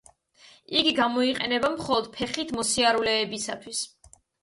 იგი გამოიყენება მხოლოდ ფეხით მოსიარულეებისათვის.